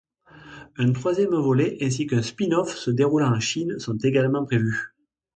Un troisième volet ainsi qu'un spin-off se déroulant en Chine sont également prévus.